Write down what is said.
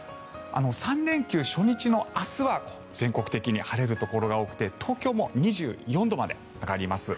３連休初日の明日は全国的に晴れるところが多くて東京も２４度まで上がります。